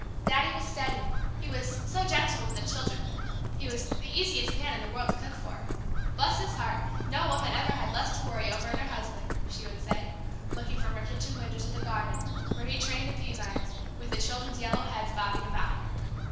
Daddy was "steady," he was "so gentle with the children," he was "the easiest man in the world to cook for." "Bless his heart, no woman ever had less to worry over in her husband!" she would say, looking from her kitchen window to the garden where he trained the pea vines, with the children's yellow heads bobbing about him.